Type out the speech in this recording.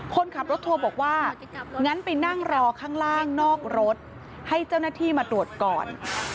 คนขับรถทัวร์บอกว่างั้นไปนั่งรอข้างล่างนอกรถให้เจ้าหน้าที่มาตรวจก่อน